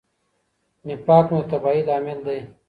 نفاق مو د تباهۍ لامل دی.